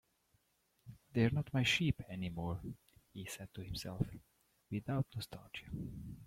"They're not my sheep anymore," he said to himself, without nostalgia.